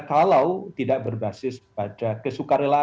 kalau tidak berbasis pada kesukarelaan